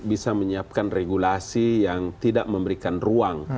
bisa menyiapkan regulasi yang tidak memberikan ruang